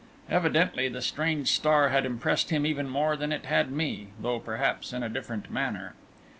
Evidently, the strange star had impressed him even more than it had me though perhaps in a different manner.